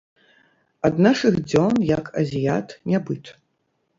Ад нашых дзён, як азіят, нябыт.